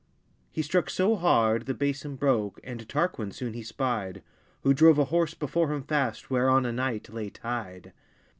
He struck soe hard, the bason broke; And Tarquin soon he spyed: Who drove a horse before him fast, Whereon a knight lay tyed.